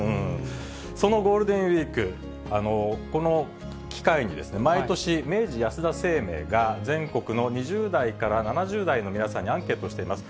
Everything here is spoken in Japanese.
そのゴールデンウィーク、この機会に、毎年、明治安田生命が全国の２０代から７０代の皆さんにアンケートしています。